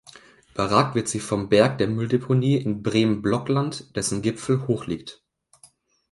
Überragt wird sie vom Berg der Mülldeponie in Bremen-Blockland, dessen Gipfel hoch liegt.